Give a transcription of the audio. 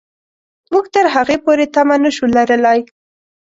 موږ تر هغې پورې تمه نه شو لرلای.